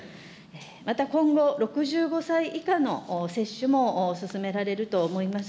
また今後、６５歳以下の接種も進められると思います。